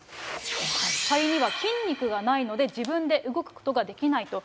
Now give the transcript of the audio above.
肺には筋肉がないので、自分で動くことができないと。